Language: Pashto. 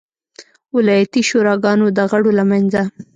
ولایتي شوراګانو د غړو له منځه.